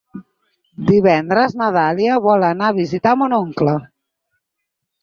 Divendres na Dàlia vol anar a visitar mon oncle.